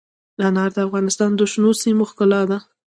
انار د افغانستان د شنو سیمو ښکلا ده.